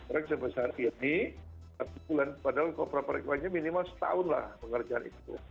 sebesar ini satu bulan padahal kopra perekannya minimal setahun lah pengerjaan itu